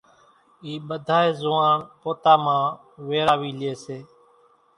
اِي ٻڌائي زوئاڻ پوتا مان ويراوي لئي سي،